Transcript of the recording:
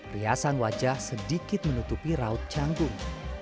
riasan wajah sedikit menutupi raut canggung